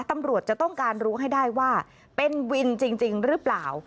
ตำรวจจะต้องการรู้ให้ได้ว่าเป็นวินจริงหรือเปล่า